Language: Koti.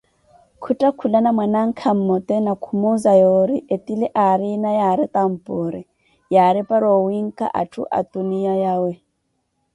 Khuttakhulana mwanankha mmote ni khumuuza yoori, etile aariina yaari tamboori, yaari para owiikha atthu atuniya yawe.